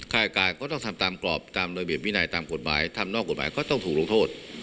การก็ต้องทำตามกรอบตามระเบียบวินัยตามกฎหมายทำนอกกฎหมายก็ต้องถูกลงโทษ